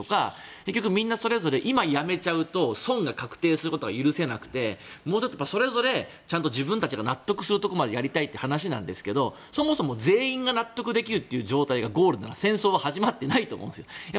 結局、みんなそれぞれ今やめちゃうと損が確定することが許せなくてそれぞれ自分たちが納得するところまでやりたいという話なんですけどそもそも全員が納得できる形がゴールならば戦争は始まってないんですよ。